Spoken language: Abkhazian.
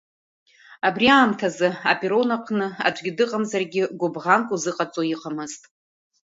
Абри аамҭазы аперрон аҟны аӡәгьы дыҟамзаргьы, гәыбӷанк узыҟаҵо иҟамызт.